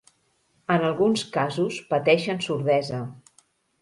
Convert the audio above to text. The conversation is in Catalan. En alguns casos pateixen sordesa.